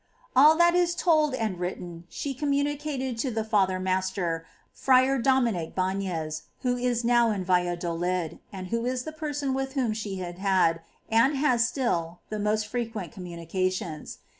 16. All that is told and written she communis Banesi cated to the Father Master Fra Dominic Banes, who is now in Valladolid, and who is the person with whom she has had, and has still, the most frequent communications.